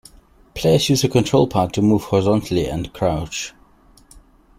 Players use the control pad to move horizontally and to crouch.